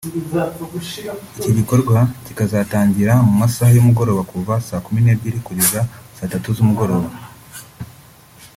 Iki gikorwa kikazatangira mu masaha y’umugoroba kuva saa kumi n’ebyiri kugeza saa tatu z’umugoroba